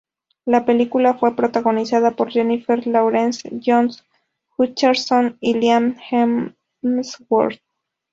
La película fue protagonizada por Jennifer Lawrence, Josh Hutcherson y Liam Hemsworth.